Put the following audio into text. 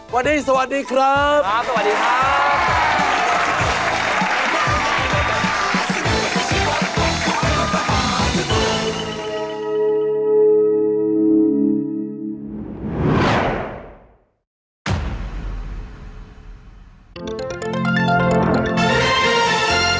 วันนี้สวัสดีครับสวัสดีครับ